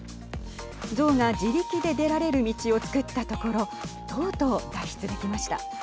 象が自力で出られる道を作ったところとうとう脱出できました。